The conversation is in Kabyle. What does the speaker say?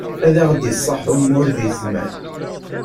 Ad ɣ-d-iṣaḥ umur di zzman.